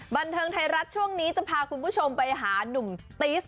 บันเทิงไทยรัฐช่วงนี้จะพาคุณผู้ชมไปหานุ่มติส